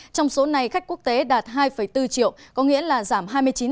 trong số này khách quốc tế đạt hai bốn triệu có nghĩa là giảm hai mươi chín